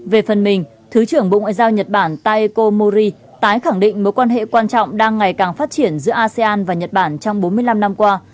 về phần mình thứ trưởng bộ ngoại giao nhật bản taeko mori tái khẳng định mối quan hệ quan trọng đang ngày càng phát triển giữa asean và nhật bản trong bốn mươi năm năm qua